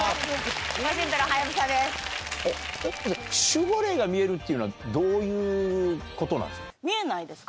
守護霊が見えるっていうのはどういうことなんですか？